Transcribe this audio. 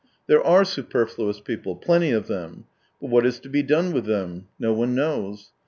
There are superfluous people, plenty of them. But what is to be done with them ? No one knows.